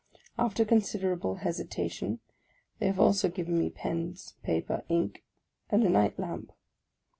After considerable hesitation they have also given me pens, paper, ink, and a night lamp.